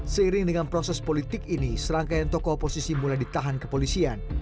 seiring dengan proses politik ini serangkaian tokoh oposisi mulai ditahan kepolisian